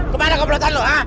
kemana komplotan lo